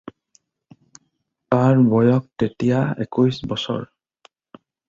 তাৰ বয়স তেতিয়া একৈশ বছৰ।